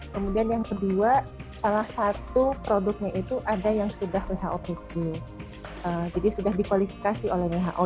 kemudian yang kedua salah satu produknya itu ada yang sudah who itu jadi sudah dikualifikasi oleh who